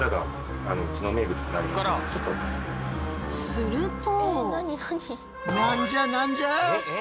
すると。